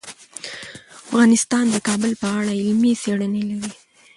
افغانستان د کابل په اړه علمي څېړنې لري.